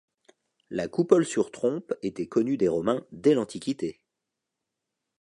La coupole sur trompes était connue des Romains dès l'Antiquité.